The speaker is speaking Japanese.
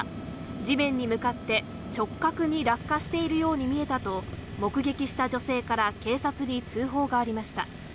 地面に向かって直角に落下しているように見えたと、目撃した女性から警察に通報がありました。